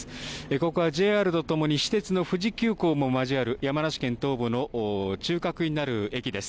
ここはＪＲとともに私鉄の富士急行も交わる山梨県東部の中核になる駅です。